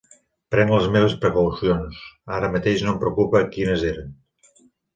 Prenc les meves precaucions, ara mateix no em preocupa quines eren.